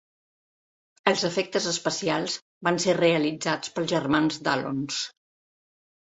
Els efectes especials van ser realitzats pels germans Dallons.